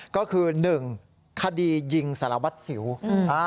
ก็คือ๑คดียิงสารวัติศิวป์